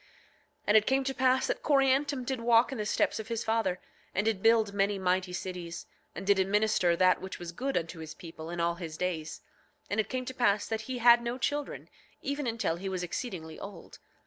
9:23 And it came to pass that Coriantum did walk in the steps of his father, and did build many mighty cities, and did administer that which was good unto his people in all his days. And it came to pass that he had no children even until he was exceedingly old.